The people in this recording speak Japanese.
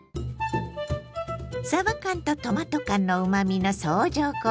さば缶とトマト缶のうまみの相乗効果が最強！